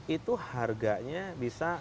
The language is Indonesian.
itu harganya bisa